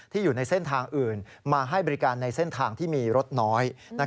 อยู่ในเส้นทางอื่นมาให้บริการในเส้นทางที่มีรถน้อย